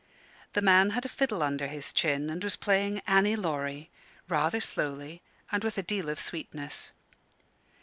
The man had a fiddle under his chin, and was playing "Annie Laurie," rather slowly and with a deal of sweetness.